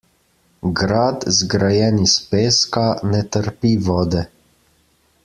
Grad, zgrajen iz peska, ne trpi vode.